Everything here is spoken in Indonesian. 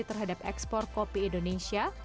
terhadap ekspor kopi indonesia